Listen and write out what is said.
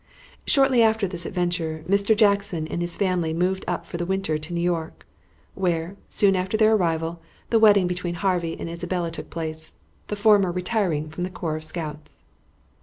Shortly after this adventure Mr. Jackson and his family moved for the winter to New York, where, soon after their arrival, the wedding between Harvey and Isabella took place, the former retiring from the corps of scouts.